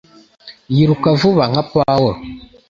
Yiruka vuba nka Pawulo